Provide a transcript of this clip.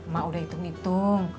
mak udah hitung hitung